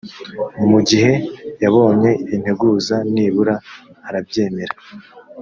mu gihe yabonye integuza nibura arabyemera